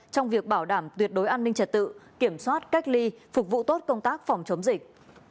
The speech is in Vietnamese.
trong việc bảo đảm tuyệt đối an ninh trật tự kiểm soát cách ly phục vụ tốt công tác phòng chống dịch